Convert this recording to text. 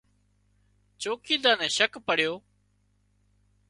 چوڪيڌار نين شڪ پڙيو